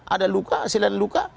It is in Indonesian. ada luka hasilnya ada luka